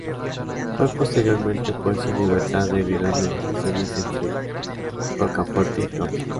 Fue posteriormente puesto en libertad debido a negociaciones entre Rocafuerte y Flores.